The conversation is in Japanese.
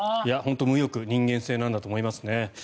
無欲、人間性なんだと思いますね。